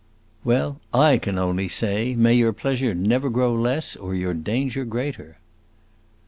"Well, I can only say, 'May your pleasure never grow less, or your danger greater!